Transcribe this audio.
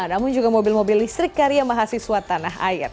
namun juga mobil mobil listrik karya mahasiswa tanah air